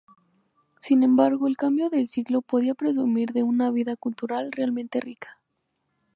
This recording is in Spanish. Sin embargo el cambio de siglo podía presumir de una vida cultural realmente rica.